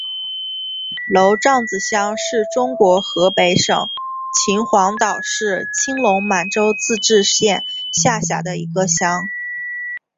娄杖子乡是中国河北省秦皇岛市青龙满族自治县下辖的一个乡。